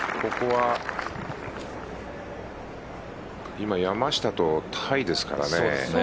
今、山下とタイですからね。